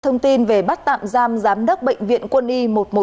thông tin về bắt tạm giam giám đốc bệnh viện quân y một trăm một mươi một